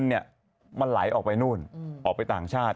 มันไหลออกไปนู่นออกไปต่างชาติ